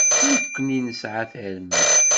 Nekkni nesɛa tarmit.